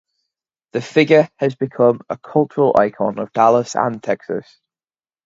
The figure has become a cultural icon of Dallas and Texas.